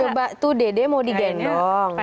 ke mbak tuh dede mau digendong